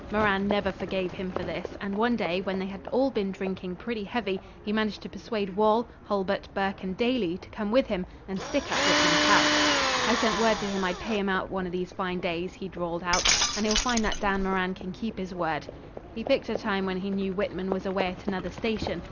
Moran never forgave him for this, and one day when they had all been drinking pretty heavy he managed to persuade Wall, Hulbert, Burke, and Daly to come with him and stick up Whitman's house. 'I sent word to him I'd pay him out one of these fine days,' he drawled out, 'and he'll find that Dan Moran can keep his word.' He picked a time when he knew Whitman was away at another station.